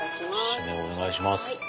締めお願いします。